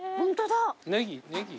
ネギ？